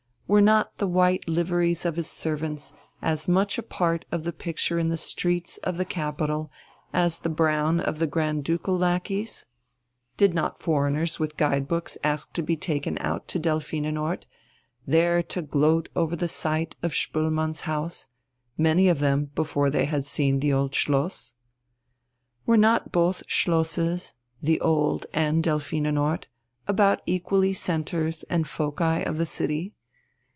Were not the white liveries of his servants as much a part of the picture in the streets of the capital as the brown of the Grand Ducal lackeys? Did not foreigners with guide books ask to be taken out to Delphinenort, there to gloat over the sight of Spoelmann's house many of them before they had seen the Old Schloss? Were not both Schlosses, the Old and Delphinenort, about equally centres and foci of the city?